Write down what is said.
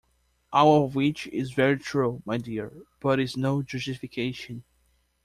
All of which is very true, my dear, but is no justification.